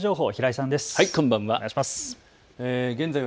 こんばんは。